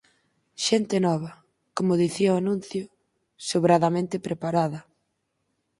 Xente nova, como dicía o anuncio, sobradamente preparada.